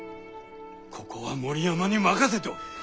ここは森山に任せておる。